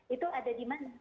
itu ada di mana